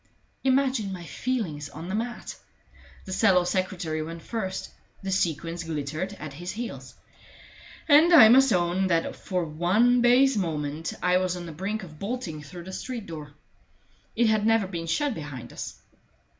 Imagine my feelings on the mat! The sallow secretary went first; the sequins glittered at his heels, and I must own that for one base moment I was on the brink of bolting through the street door. It had never been shut behind us.